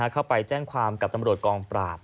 เข้าไปแจ้งความกับตำรวจกองปราบ